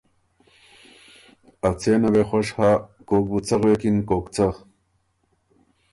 که ا څېنه وې خوش هۀ، کوک بُو څۀ غوېکِن کوک څۀ۔